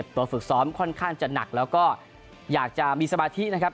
ฝึกซ้อมค่อนข้างจะหนักแล้วก็อยากจะมีสมาธินะครับ